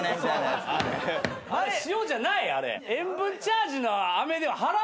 塩じゃないあれ。